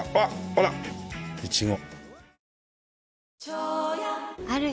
ほらイチゴ。